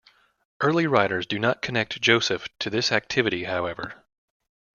Early writers do not connect Joseph to this activity, however.